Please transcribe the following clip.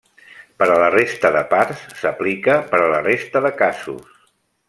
Per a la resta de parts, s'aplica per a la resta de casos.